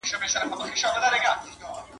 د نصیب تږی پیدا یم له خُمار سره مي ژوند دی ..